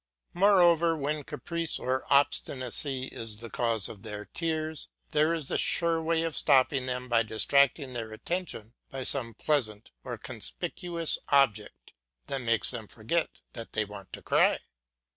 Moreover, when caprice or obstinacy is the cause of their tears, there is a sure way of stopping them by distracting their attention by some pleasant or conspicuous object which makes them forget that they want to cry.